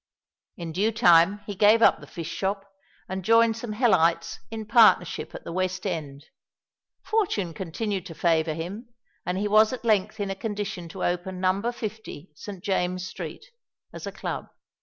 In due time he gave up the fish shop, and joined some hellites in partnership at the West End. Fortune continued to favour him; and he was at length in a condition to open No. 50, St. James's Street, as a Club.